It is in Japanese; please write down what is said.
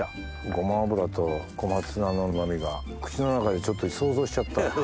ごま油と小松菜のうま味が口の中でちょっと想像しちゃった。